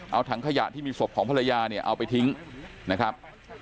เอาถังขยะที่มีศพของภรรยาเนี่ยเอาไปทิ้งนะครับ